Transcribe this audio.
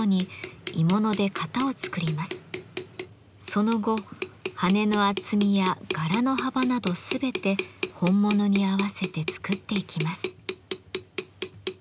その後羽の厚みや柄の幅など全て本物に合わせて作っていきます。